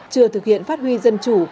chưa thực hiện phát huy dân chủ